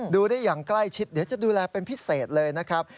ดูได้อย่างใกล้ชิดเดี๋ยวจะดูแลเป็นพิเศษเลยนะครับ